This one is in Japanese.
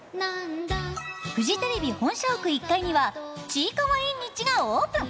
フジテレビ本社屋１階にはちいかわ縁日がオープン！